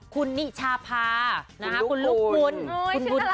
คุณนิชาพาคุณลูกวุ้นคุณบุญธรรม